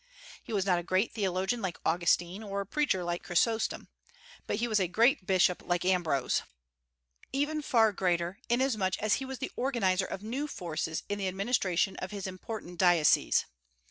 He was not a great theologian like Augustine, or preacher like Chrysostom, but he was a great bishop like Ambrose, even far greater, inasmuch as he was the organizer of new forces in the administration of his important diocese.